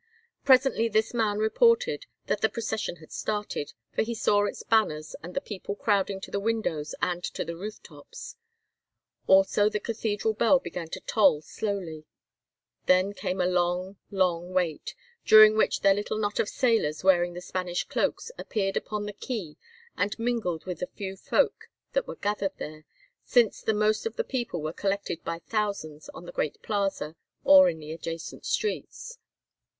Presently this man reported that the procession had started, for he saw its banners and the people crowding to the windows and to the roof tops; also the cathedral bell began to toll slowly. Then came a long, long wait, during which their little knot of sailors, wearing the Spanish cloaks, appeared upon the quay and mingled with the few folk that were gathered there, since the most of the people were collected by thousands on the great plaza or in the adjacent streets.